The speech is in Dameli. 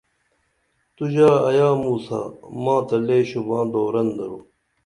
تو ژا ایا موں سا ماں تہ لے شوباں دورن درو